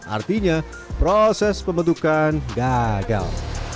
artinya proses pembentukan gagal